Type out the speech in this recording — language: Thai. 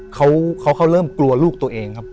เพราะว่าเขาเริ่มกลัวลูกตัวเอง